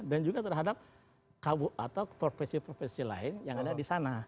dan juga terhadap kabuk atau profesi profesi lain yang ada disana